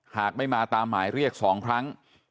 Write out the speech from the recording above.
หากไม่มาตามหมายเรียก๒ครั้ง